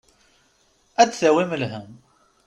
Ad d-tawim lhemm.